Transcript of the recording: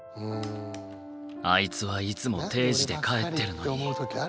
あいつはいつも定時で帰ってるのに。